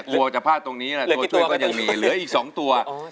ตัวช่วยก็ยังมีเหลืออีก๒ตัวเหลือกี่ตัวแบบนี้